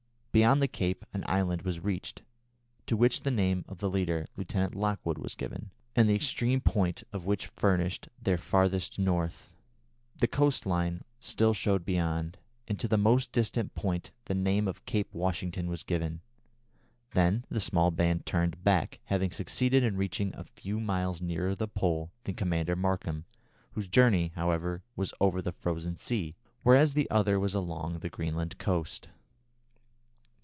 Beyond the cape an island was reached, to which the name of the leader, Lieutenant Lockwood, was given, and the extreme point of which furnished their "farthest North." The coast line still showed beyond, and to the most distant point the name of Cape Washington was given. Then the small band turned back, having succeeded in reaching a few miles nearer the Pole than Commander Markham, whose journey, however, was over the frozen sea, whereas the other was along the Greenland coast.